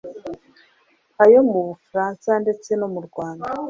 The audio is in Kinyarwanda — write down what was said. ayo mu Bufaransa ndetse no mu Rwanda.